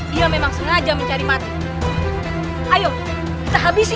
dia memang seorang yang berani